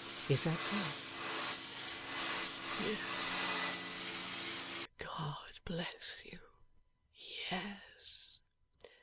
Is that so?' 'Yes. God bless you! Yes.